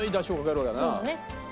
そうだね。